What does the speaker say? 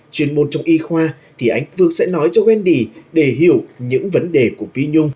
chuyên môn trong y khoa thì anh phương sẽ nói cho wendy để hiểu những vấn đề của phi nhung